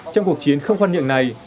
trong cuộc chiến không khoan nhượng này